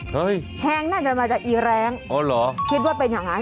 เฮ่ยแฮงน่าจะมาจากอีแร้งคิดว่าเป็นอย่างไร